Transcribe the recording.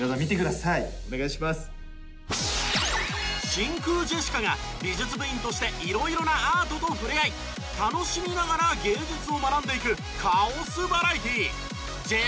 真空ジェシカが美術部員として色々なアートとふれあい楽しみながら芸術を学んでいくカオスバラエティー。